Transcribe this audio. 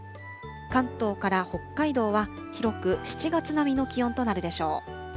関東から北海道は広く７月並みの気温となるでしょう。